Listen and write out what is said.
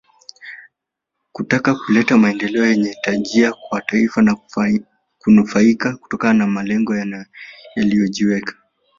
Kutaka kuleta maendeleo yenye tija kwa taifa na kunufaika kutokana na malengo waliyojiwekea